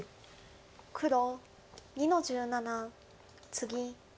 黒２の十七ツギ。